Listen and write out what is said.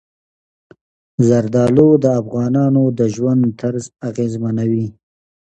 زردالو د افغانانو د ژوند طرز اغېزمنوي.